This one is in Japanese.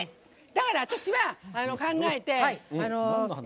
だから私は考えて。